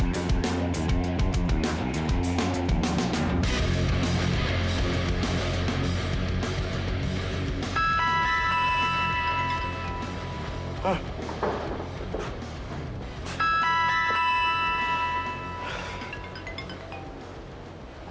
bapak mau kemana